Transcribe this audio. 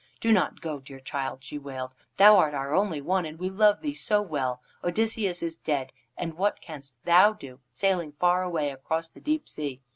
"Do not go, dear child," she wailed. "Thou art our only one, and we love thee so well. Odysseus is dead, and what canst thou do, sailing far away across the deep sea?